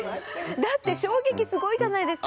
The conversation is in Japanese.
だって衝撃すごいじゃないですか。